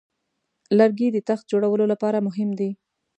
لرګی د تخت جوړولو لپاره مهم دی.